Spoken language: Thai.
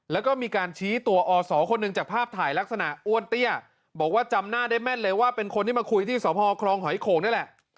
แล้วก็มีการชี้ตัวอศคนหนึ่งจากภาพถ่ายลักษณะอ้วนเตี้ยบอกว่าจำหน้าได้แม่นเลยว่าเป็นคนที่มาคุยที่สพคลองหอยโขงนี่แหละ